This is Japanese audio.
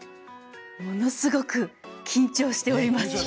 ものすごく緊張しております。